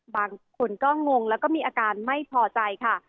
บางคนก็งงแล้วก็มีอาการไม่พอใจค่ะ